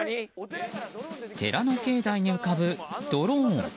寺の境内に浮かぶドローン。